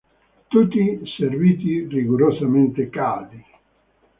Tutti serviti rigorosamente caldi.